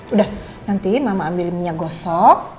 udah nanti mama ambil minyak gosok